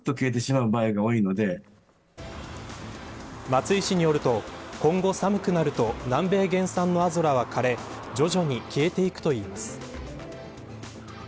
松井氏によると今後、寒くなると南米原産のアゾラは枯れ徐々に消えていくといいます。